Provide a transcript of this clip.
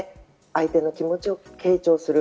相手の気持ちを傾聴する。